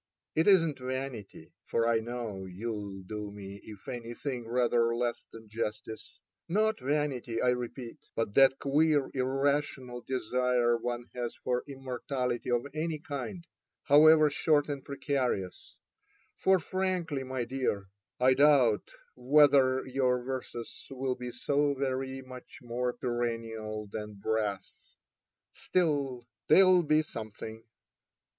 It isn't vanity (for I know you'll do me, if anything, rather less than justice !), not vanity, I repeat ; but that queer irrational desire one has for im mortality of any kind, however short and precarious — for frankly, my dear, I doubt whether your verses will be so very much more perennial than brass. Still, they'll be something.